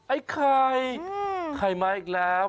ไอ้ไข่ไข่มาอีกแล้ว